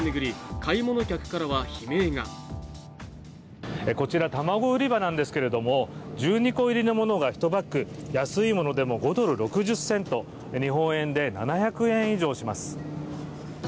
買い物客からは悲鳴がこちら卵売り場なんですけれども１２個入りのものが１パック安いものでも５ドル６０セント日本円で７００円以上します